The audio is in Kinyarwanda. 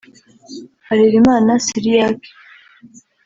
Harerimana Cyriaque